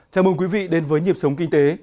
chào mừng quý vị đến với nhịp sống kinh tế